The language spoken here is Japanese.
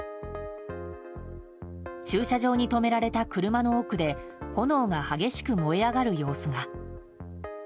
駐車場に止められた車の奥で炎が激しく燃え上がる様子が。